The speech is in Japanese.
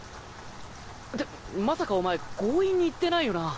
ってまさかお前強引に言ってないよな。